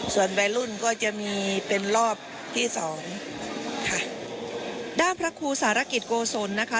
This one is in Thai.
ส่วนวัยรุ่นก็จะมีเป็นรอบที่สองค่ะด้านพระครูสารกิจโกศลนะคะ